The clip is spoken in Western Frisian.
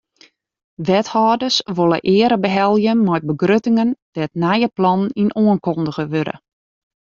Wethâlders wolle eare behelje mei begruttingen dêr't nije plannen yn oankundige wurde.